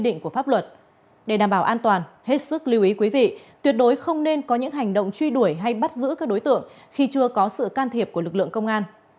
sau khi bị lực lượng bảo vệ và nhân viên có những hành động truy đuổi hay bắt giữ các đối tượng khi chưa có sự can thiệp của lực lượng công an